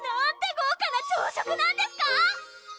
豪華な朝食なんですか！